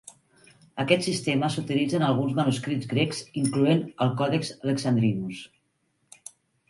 Aquest sistema s'utilitza en alguns manuscrits grecs incloent el Còdex Alexandrinus.